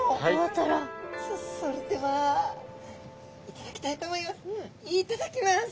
そそれでは頂きたいと思います。